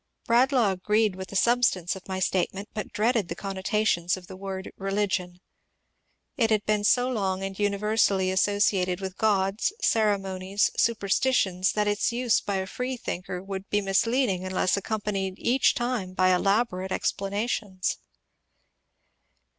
Bradlaugh agreed with the substance of my statement, but dreaded the connotations of the word " religion." It had been so long and universally associated with gods, ceremonies, super stitions that its use by a freethinker would be misleading unless accompanied each time by elab6rate explanations.